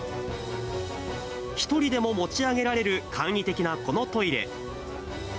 １人でも持ち上げられる簡易的なこのトイレ。